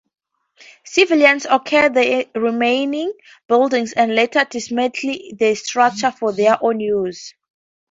Civilians occupied the remaining buildings and later dismantled the structures for their own use.